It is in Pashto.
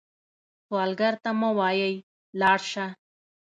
سوالګر ته مه وايئ “لاړ شه”